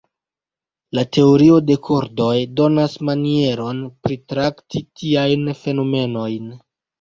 La Teorio de kordoj donas manieron pritrakti tiajn fenomenojn.